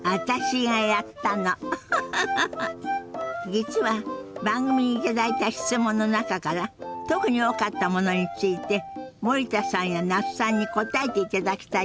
実は番組に頂いた質問の中から特に多かったものについて森田さんや那須さんに答えていただきたいと思って。